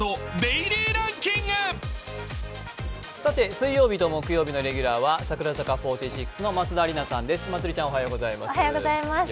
水曜日と木曜日のレギュラーは櫻坂４６の松田里奈さんです。